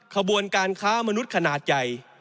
ขบวนการค้ามนุษย์ขนาดใหญ่